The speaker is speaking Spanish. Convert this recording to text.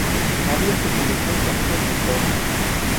Arias se convirtió en su amigo y mentor.